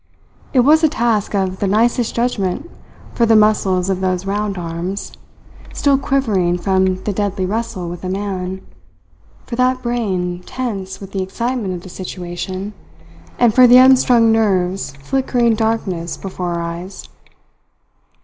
It was a task of the nicest judgement for the muscles of those round arms, still quivering from the deadly wrestle with a man, for that brain, tense with the excitement of the situation and for the unstrung nerves flickering darkness before her eyes.